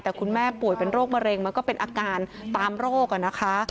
แต่คุณแม่ป่วยเป็นโรคมะเร็งมันก็เป็นอาการตามโรคนะคะ